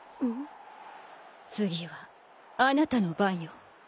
次はあなたの番よ。